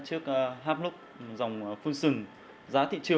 còn op là của hãng nào